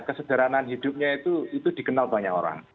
kesederhanaan hidupnya itu dikenal banyak orang